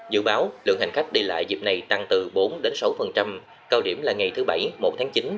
dự báo lượng hành khách đi lại dịp này tăng từ bốn sáu cao điểm là ngày thứ bảy một tháng chín